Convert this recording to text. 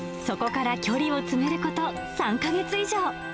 そこから距離を詰めること３か月以上。